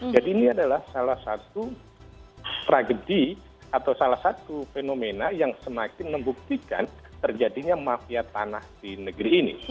jadi ini adalah salah satu tragedi atau salah satu fenomena yang semakin membuktikan terjadinya mafia tanah di negeri ini